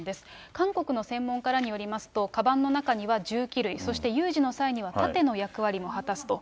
韓国の専門家らによりますと、かばんの中には銃器類、そして有事の際には盾の役割も果たすと。